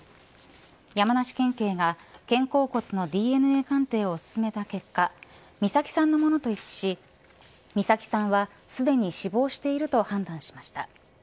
山梨県警が肩甲骨のＤＮＡ鑑定を進めた結果美咲さんのものと一致し美咲さんはすでに死亡していると判断しました。